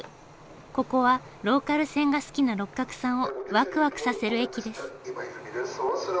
ここはローカル線が好きな六角さんをワクワクさせる駅です。